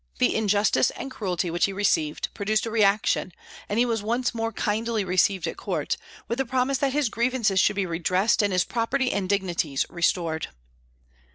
The injustice and cruelty which he received produced a reaction, and he was once more kindly received at court, with the promise that his grievances should be redressed and his property and dignities restored.